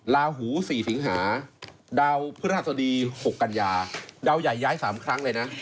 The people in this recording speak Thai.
ลาหู๔สิงหาดาวพฤหัสดี๖กันยาดาวใหญ่ย้าย๓ครั้งเลยนะ